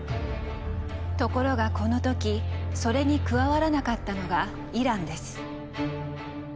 ところがこの時それに加わらなかったのがイランです。